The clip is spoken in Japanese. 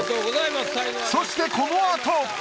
そしてこのあと。